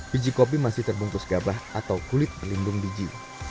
biji kopi masih terbungkus gabah atau kulit berlindung biji